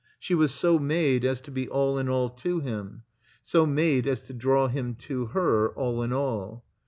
She was so made as to be all in all to him, so made as to draw him to her all in all.